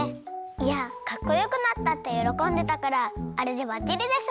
いやかっこよくなったってよろこんでたからあれでバッチリでしょ！